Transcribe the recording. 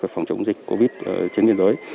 về phòng chống dịch covid trên biên giới